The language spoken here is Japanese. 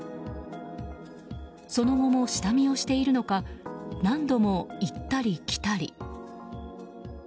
その後も下見をしているのか何度も行ったり来たり。